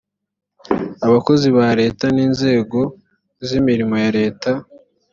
abakozi ba leta n inzego z imirimo ya leta